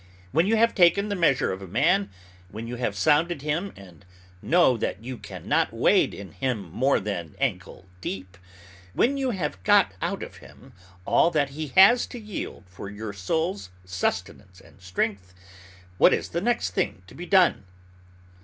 When you have taken the measure of a man, when you have sounded him and know that you can not wade in him more than ankle deep, when you have got out of him all that he has to yield for your soul's sustenance and strength, what is the next thing to be done?